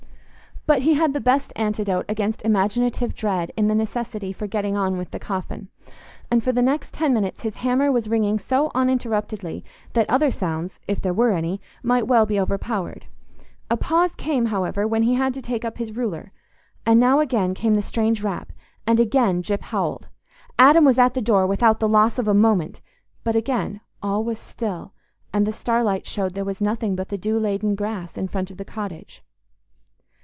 But he had the best antidote against imaginative dread in the necessity for getting on with the coffin, and for the next ten minutes his hammer was ringing so uninterruptedly, that other sounds, if there were any, might well be overpowered. A pause came, however, when he had to take up his ruler, and now again came the strange rap, and again Gyp howled. Adam was at the door without the loss of a moment; but again all was still, and the starlight showed there was nothing but the dew laden grass in front of the cottage.